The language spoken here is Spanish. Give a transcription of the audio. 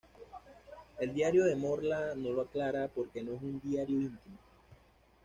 El diario de Morla no lo aclara, porque no es un diario íntimo.